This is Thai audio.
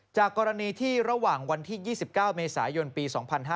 จากกรณีที่ระหว่างวันที่๒๙เมษายนปี๒๕๕๙